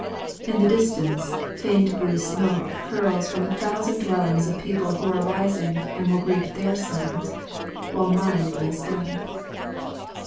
In the distance, faint blue smoke curls from a thousand dwellings of people who are rising and will greet their sons, while mine lies dead.